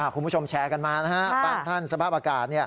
คุณผู้ชมแชร์กันมานะฮะบ้านท่านสภาพอากาศ